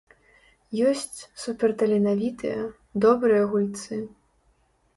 Ёсць суперталенавітыя, добрыя гульцы.